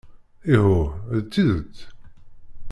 Ihuh, d tidet?